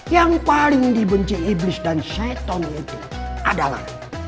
yang paling dibenci iblis dan syaiton itu adalah